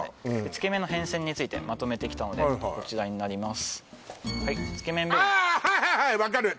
つけ麺の変遷についてまとめてきたのでこちらになります